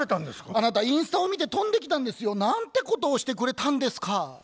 あなたインスタを見て飛んで来たんですよ。なんてことをしてくれたんですか。